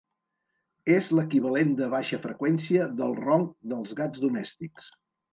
És l'equivalent de baixa freqüència del ronc dels gats domèstics.